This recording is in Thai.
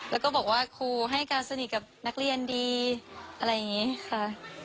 แล้วก็บอกว่าครูให้การสนิทกับนักเรียนดีอะไรอย่างนี้ค่ะ